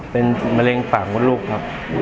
เป็นมะเร็งปากมดลูกครับ